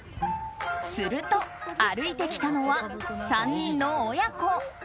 すると歩いてきたのは３人の親子。